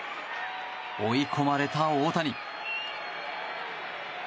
追い込まれた大谷。